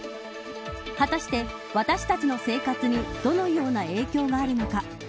果たして、私たちの生活にどのような影響があるのか。